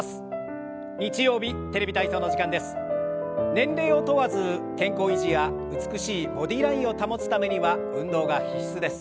年齢を問わず健康維持や美しいボディーラインを保つためには運動が必須です。